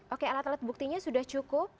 oke alat alat buktinya sudah cukup